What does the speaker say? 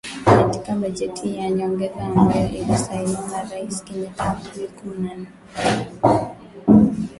Katika bajeti ya nyongeza ambayo ilisainiwa na Raisi Kenyatta Aprili kumi na nne